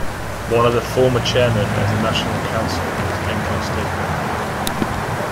One of the former Chairmen of the National Council was Encho Staikov.